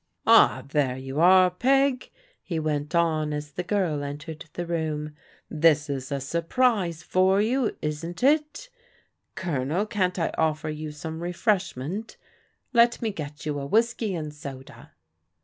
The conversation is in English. " Ah, there you are, Peg," he went on as the girl en tered the room. "This is a surprise for you, isn't it? ELEANOR AND PEGGY DEFIANT 201 Colonel, can't I offer you some refreshment? Let me get you a whiskey and soda."